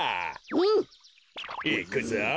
うん！いくぞ！